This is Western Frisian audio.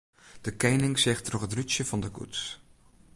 De kening seach troch it rútsje fan de koets.